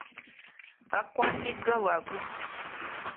Baakwatiddwa lwa bubbi.